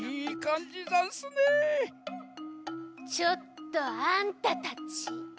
・ちょっとあんたたち。